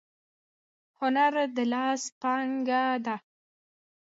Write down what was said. هنر د لاس پانګه ده.